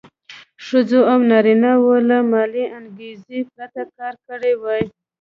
ښځو او نارینه وو له مالي انګېزې پرته کار کړی وای.